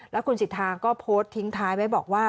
แล้วคุณสิทธาก็โพสต์ทิ้งท้ายไว้บอกว่า